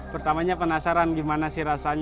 pertamanya penasaran gimana sih perang pandan ini